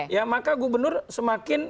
ya maka gubernur semakin